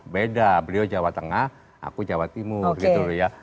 beda beliau jawa tengah aku jawa timur gitu loh ya